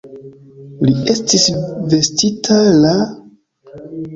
Li estis vestita la?